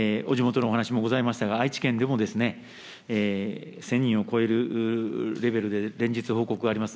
お地元のお話もございましたが、愛知県でも、１０００人を超えるレベルで、連日報告があります。